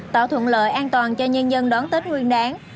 tạo thuận lợi an toàn cho nhân dân đón tết nguyên đáng